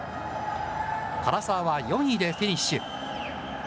唐澤は４位でフィニッシュ。